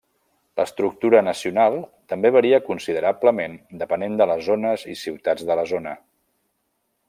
L'estructura nacional també varia considerablement depenent de les zones i ciutats de la zona.